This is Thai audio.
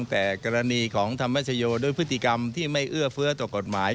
แต่กรณีของธรรมชโยด้วยพฤติกรรมที่ไม่เอื้อเฟื้อต่อกฎหมาย